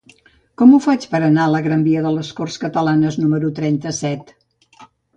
Com ho faig per anar a la gran via de les Corts Catalanes número trenta-set?